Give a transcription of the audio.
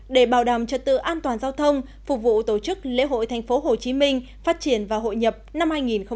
để bảo đảm trật tự an toàn giao thông phục vụ tổ chức lễ hội tp hcm phát triển và hội nhập năm hai nghìn hai mươi